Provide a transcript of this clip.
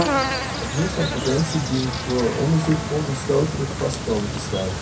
Het nut van preventie dient door onderzoek onomstotelijk vast komen te staan.